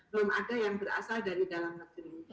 belum ada yang berasal dari dalam negeri